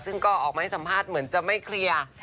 ซึ่งก็ออกมาให้สัมภาษณ์เหมือนจะไม่เคลียร์